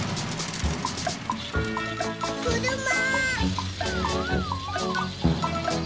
くるま。